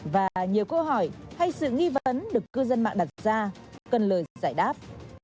và nhiều câu hỏi hay sự nghi vấn được cư dân mạng đặt ra cần lời giải đáp